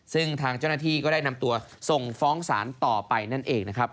ซึ่งทางเจ้าหน้าที่ก็ได้นำตัวส่งฟ้องศาลต่อไปนั่นเองนะครับ